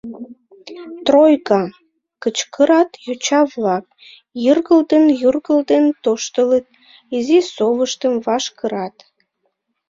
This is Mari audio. Тройка! — кычкырат йоча-влак, юргылдым-юргылдым тӧрштылыт, изи совыштым ваш кырат.